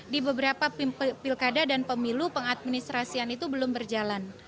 di beberapa pilkada dan pemilu pengadministrasian itu belum berjalan